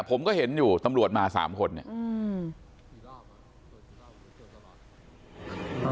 ผมก็เห็นอยู่ตำรวจมาสามคนเนี่ยอืม